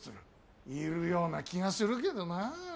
いるような気がするけどなあ。